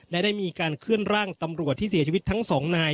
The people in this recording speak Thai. และได้มีการเคลื่อนร่างตำรวจที่เสียชีวิตทั้งสองนาย